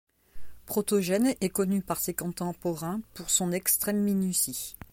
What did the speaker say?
Protogène est connu par ses contemporains pour son extrême minutie.